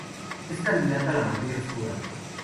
Es candidato a la materia oscura.